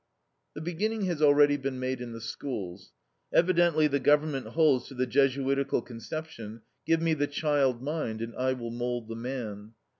The beginning has already been made in the schools. Evidently the government holds to the Jesuitical conception, "Give me the child mind, and I will mould the man."